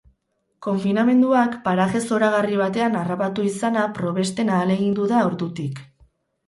Konfinamenduak paraje zoragarri batean harrapatu izana probesten ahalegindu da ordutik.